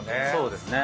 そうです